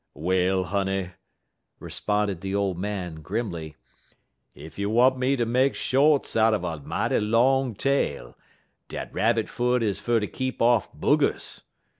"Well, honey," responded the old man, grimly, "ef you want me ter make shorts out'n a mighty long tale, dat rabbit foot is fer ter keep off boogers.